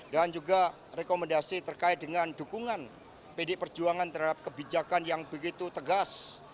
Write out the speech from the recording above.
dan juga rekomendasi terkait dengan dukungan pdip perjuangan terhadap kebijakan yang begitu tegas